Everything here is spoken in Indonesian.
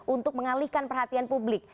untuk mengalihkan perhatian publik